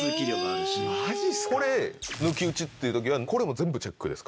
これ、抜き打ちっていうときは、これも全部チェックですか？